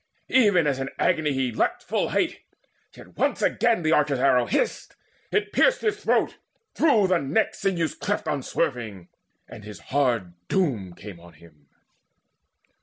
Even as in agony he leapt full height, Yet once again the archer's arrow hissed: It pierced his throat, through the neck sinews cleft Unswerving, and his hard doom came on him.